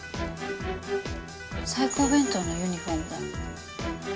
サイコー弁当のユニホームだ。